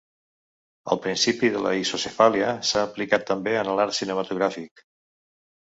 El principi de la isocefàlia s'ha aplicat també en l'art cinematogràfic.